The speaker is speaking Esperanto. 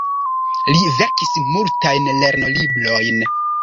Li verkis multajn lernolibrojn.